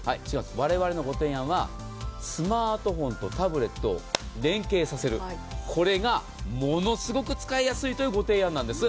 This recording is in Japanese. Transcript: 我々のご提案は、スマートフォンとタブレットを連携させる、これがものすごく使いやすいというご提案なんです。